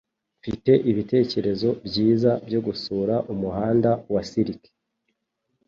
Mfite ibitekerezo byiza byo gusura Umuhanda wa Silk.